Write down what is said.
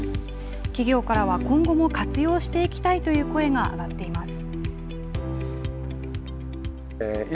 企業からは今後も活用していきたいという声が上がっています。